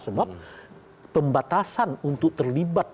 sebab pembatasan untuk terlibat